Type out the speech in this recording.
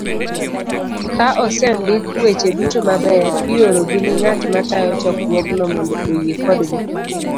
Ka osendik weche duto maber, iorogi ne ng'at matayo chokruogno mondo oyie kodgi